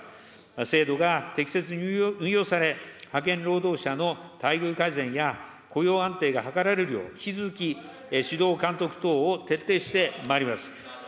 制度が適切に運用され、派遣労働者の待遇改善や、雇用安定が図られるよう、引き続き指導監督等を徹底してまいります。